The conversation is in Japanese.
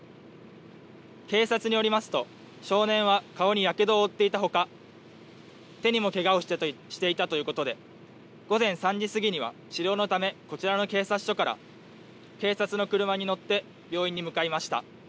警察によりますと、少年は顔にやけどを負っていたほか、手にもけがをしていたということで、午前３時過ぎには治療のため、こちらの警察署から警察の車に乗って病院に向かいました。